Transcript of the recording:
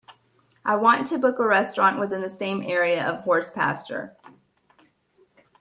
I want to book a restaurant within the same area of Horse Pasture.